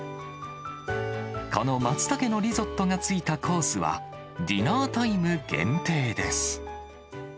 このマツタケのリゾットがついたコースは、ディナータイム限定です。